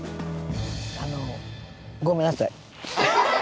あのごめんなさい。